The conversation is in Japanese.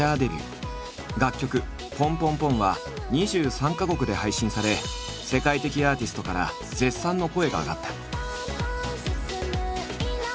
楽曲「ＰＯＮＰＯＮＰＯＮ」は２３か国で配信され世界的アーティストから絶賛の声が上がった。